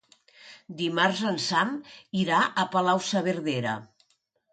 Dimarts en Sam irà a Palau-saverdera.